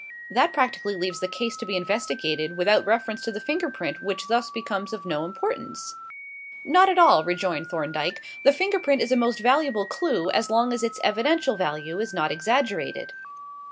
"That practically leaves the case to be investigated without reference to the finger print, which thus becomes of no importance." "Not at all," rejoined Thorndyke; "the finger print is a most valuable clue as long as its evidential value is not exaggerated.